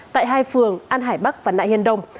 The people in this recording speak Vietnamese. tại hai phường an hải bắc và nại hiên đông